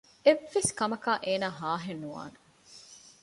އެއްވެސް ކަމަކާ އޭނާ ހާހެއް ނުވާނެ